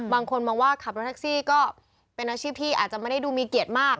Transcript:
บางคนมองว่าขับรถแท็กซี่ก็เป็นอาชีพที่อาจจะไม่ได้ดูมีเกียรติมาก